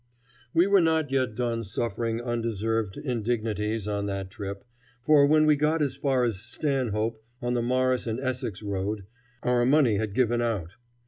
We were not yet done suffering undeserved indignities on that trip, for when we got as far as Stanhope, on the Morris and Essex road, our money had given out.